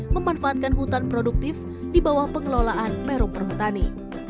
memanfaatkan hutan produktif di bawah pengelolaan perumpermetani